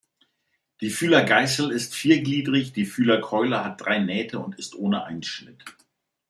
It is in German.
Die Fühlergeißel ist viergliedrig, die Fühlerkeule hat drei Nähte und ist ohne Einschnitt.